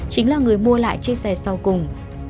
chính là người mua lại chiếc xe sau cùng